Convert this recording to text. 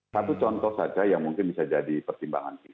satu contoh saja yang mungkin bisa jadi pertimbangan kita